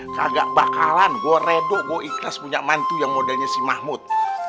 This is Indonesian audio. kagak bakalan gue reduk gue ikhlas punya mantu yang modelnya si mahmud